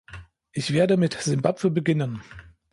Ich werde mit Simbabwe beginnen.